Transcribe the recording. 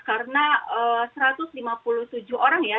karena satu ratus lima puluh tujuh orang ya